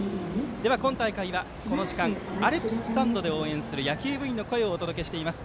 では、今大会は、この時間アルプススタンドで応援する野球部部員の声をお届けしています。